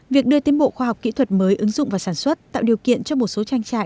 việc đưa tiến bộ khoa học kỹ thuật mới ứng dụng và sản xuất tạo điều kiện cho một số trang trại